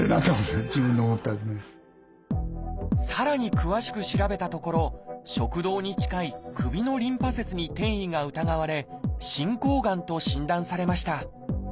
詳しく調べたところ食道に近い首のリンパ節に転移が疑われ「進行がん」と診断されました。